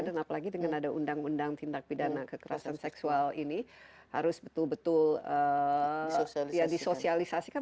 dan apalagi dengan ada undang undang tindak pidana kekerasan seksual ini harus betul betul disosialisasikan